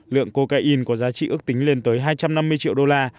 lượng cocaine có giá trị ước tính lên tới hai trăm năm mươi triệu đô la